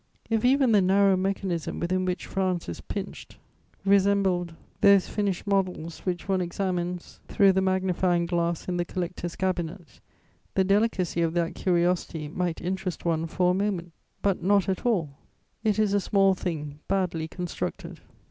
"If even the narrow mechanism within which France is pinched resembled those finished models which one examines through the magnifying glass in the collector's cabinet, the delicacy of that curiosity might interest one for a moment; but not at all: it is a small thing badly constructed.